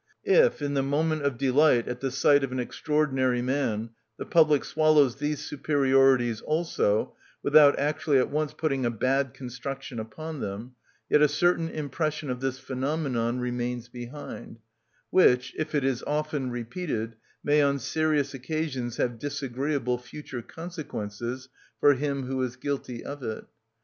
If, in the moment of delight at the sight of an extraordinary man, the public swallows these superiorities also, without actually at once putting a bad construction upon them, yet a certain impression of this phenomenon remains behind, which, if it is often repeated, may on serious occasions have disagreeable future consequences for him who is guilty of it.